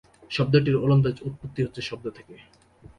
শব্দটির ওলন্দাজ উৎপত্তি হচ্ছে শব্দ থেকে।